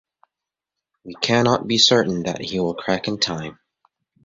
We cannot be certain that he will crack in time.